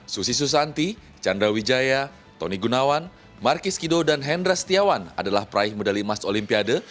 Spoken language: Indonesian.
susi susanti chandra wijaya tony gunawan markis kido dan hendra setiawan adalah peraih medali emas olimpiade